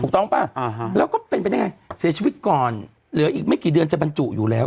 ถูกต้องป่ะแล้วก็เป็นไปได้ไงเสียชีวิตก่อนเหลืออีกไม่กี่เดือนจะบรรจุอยู่แล้ว